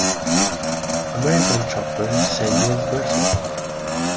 American Chopper: Senior vs.